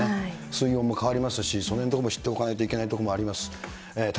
水温も変わりますし、そのへんのところも知っておかなきゃいけないところもあります。